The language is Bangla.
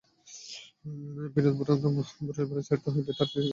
বিনোদ-বোঠান, ভোরের বেলায় ছাড়িতে হইবে, আমি ঠিক সময়ে আসিয়া হাজির হইব।